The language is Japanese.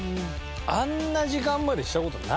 あんな時間までした事ないね。